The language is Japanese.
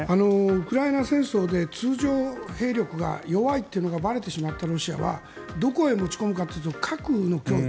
ウクライナ戦争で通常兵力が弱いってことがばれてしまったロシアはどこへ持ち込むかというと核の脅威。